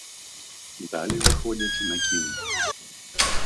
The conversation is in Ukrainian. Далі виходять на кін.